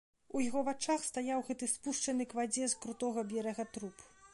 У яго вачах стаяў гэты спушчаны к вадзе з крутога берага труп.